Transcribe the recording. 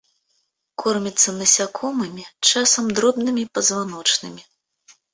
Корміцца насякомымі, часам дробнымі пазваночнымі.